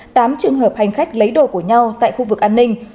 tám trường hợp hành khách lấy đồ của nhau tại khu vực an ninh